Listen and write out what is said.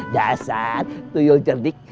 dasar tuyul cerdik